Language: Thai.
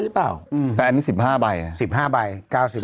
แต่อันนี้สิบห้าใบ